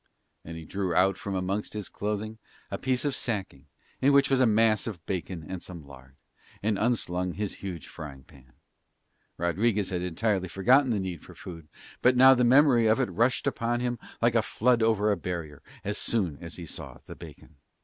And he drew out from amongst his clothing a piece of sacking in which was a mass of bacon and some lard, and unslung his huge frying pan. Rodriguez had entirely forgotten the need of food, but now the memory of it had rushed upon him like a flood over a barrier, as soon as he saw the bacon.